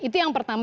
itu yang pertama